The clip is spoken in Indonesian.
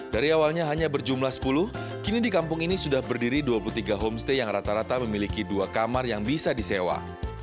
dari awalnya hanya berjumlah sepuluh kini di kampung ini sudah berdiri dua puluh tiga homestay yang rata rata memiliki dua kamar yang bisa disewa